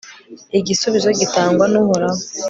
igisubizo gitangwa n'uhoraho